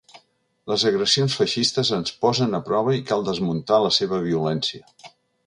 Les agressions feixistes ens posen a prova i cal desmuntar la seva violència.